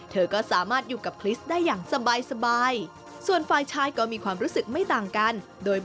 เธอก็สามารถอยู่กับคริสต์ได้อย่างสบาย